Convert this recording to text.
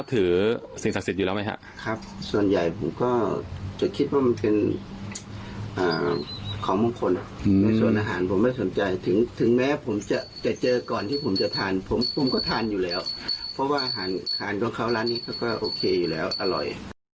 ถึงแม้ผมจะเจอก่อนที่ผมจะทานผมก็ทานอยู่แล้วเพราะว่าอาหารต้นเคล้าร้านนี้ก็โอเคอยู่แล้วอร่อย